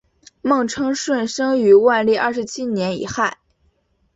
孟称舜生于万历二十七年己亥。